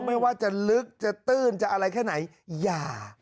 ไม่ว่าจะลึกจะตื้นจะอะไรแค่ไหนอย่า